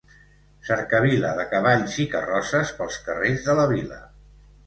Cercavila de cavalls i carrosses pels carrers de la vila.